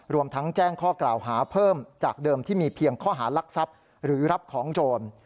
รวมทั้งแจ้งข้อกล่าวหาเพิ่มจากเดิมที่มีเพียงข้อหารักทรัพย์หรือรับของโจร